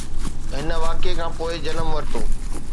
هن واقعي کان پوء جنم ورتو